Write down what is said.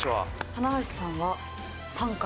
棚橋さんは３回！